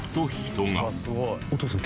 お父さん